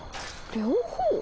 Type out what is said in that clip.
両方？